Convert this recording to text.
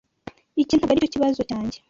Iki ntabwo aricyo kibazo cyanjye.